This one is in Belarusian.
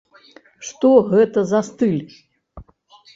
Што гэта за стыль?